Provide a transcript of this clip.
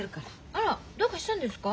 あらどうかしたんですか？